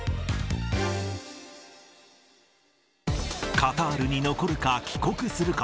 カタールに残るか、帰国するか。